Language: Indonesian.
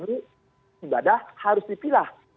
ibadah harus dipilah